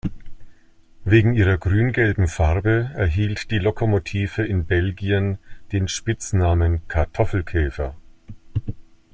Wegen ihrer grün-gelben Farbe erhielt die Lokomotive in Belgien den Spitznamen "Kartoffelkäfer".